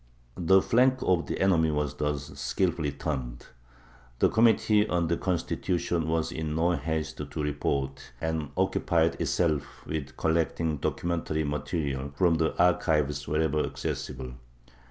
^ The flank of the enemy was thus skilfully turned. The com mittee on the Constitution was in no haste to report and occupied itself with collecting documentary material from the archives wherever accessible.